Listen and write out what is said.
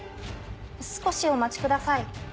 少しお待ちください。